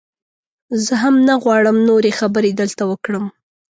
زه هم نه غواړم نورې خبرې دلته وکړم.